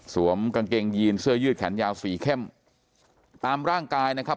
กางเกงยีนเสื้อยืดแขนยาวสีเข้มตามร่างกายนะครับ